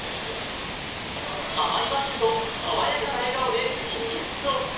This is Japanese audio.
甘いマスクとさわやかな笑顔で人気沸騰。